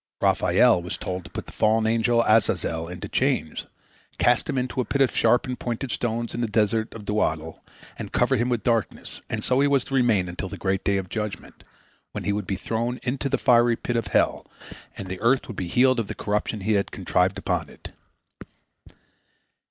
Raphael was told to put the fallen angel Azazel into chains, cast him into a pit of sharp and pointed stones in the desert Dudael, and cover him with darkness, and so was he to remain until the great day of judgment, when he would be thrown into the fiery pit of hell, and the earth would be healed of the corruption he had contrived upon it.